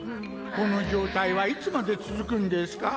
この状態はいつまで続くんですか？